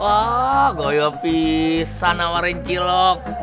wah gak ada bisa nawarin cilok